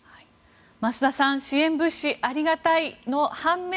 増田さん支援物資、ありがたいの半面